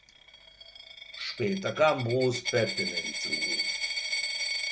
Später kam Bruce Patton hinzu.